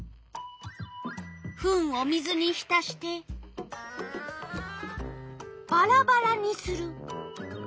フンを水にひたしてバラバラにする。